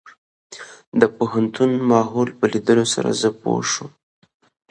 د پوهنتون ماحول په ليدلو سره زه پوه شوم.